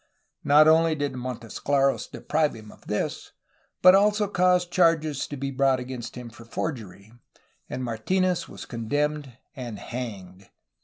Not only did Montesclaros deprive him of this, but also caused charges to be brought against him for forgery, and Martinez was condemned and hanged.